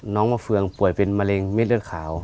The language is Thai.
น้องมะเฟืองป่วยเป็นมะเร็งเม็ดเลือดขาว